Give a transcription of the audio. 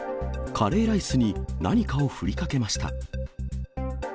カレーライスに何かを振りかけました。